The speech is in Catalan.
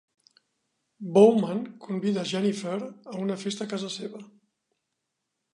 Bowman convida a Jennifer a una festa a casa seva.